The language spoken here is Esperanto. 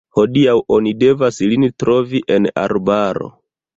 Hodiaŭ oni devas lin trovi en arbaro.